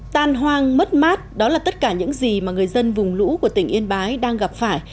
tan hoang mất mát đó là tất cả những gì mà người dân vùng lũ của tỉnh yên bái đang gặp phải